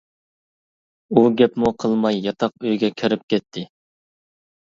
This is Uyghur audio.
ئۇ گەپمۇ قىلماي ياتاق ئۆيگە كىرىپ كەتتى.